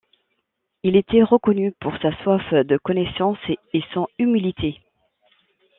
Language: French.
Il était reconnu pour sa soif de connaissance et son humilité.